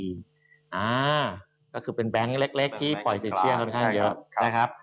อเจมส์ก็คือเป็นแบงค์เล็กที่ปล่อยเศรษฐ์เชื่อค่อนข้างเยอะ